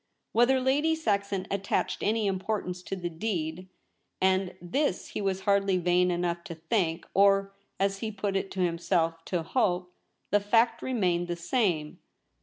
Whether Lady Saxon attached any im portance to the deed — and this he was hardly vain enough to think, or, as he put it to himself, to hope — the fact remained the same.